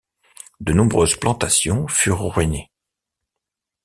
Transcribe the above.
De nombreuses plantations furent ruinées.